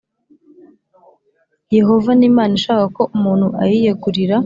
Yehova ni Imana ishaka ko umuntu ayiyegurira